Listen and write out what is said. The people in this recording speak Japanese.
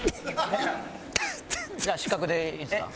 じゃあ失格でいいですか？